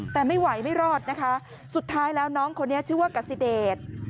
แต่ไม่ไหวไม่รอดนะคะสุดท้ายแล้วน้องคนนี้ชื่อว่ากัสซิเดช